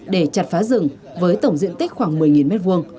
để chặt phá rừng với tổng diện tích khoảng một mươi m hai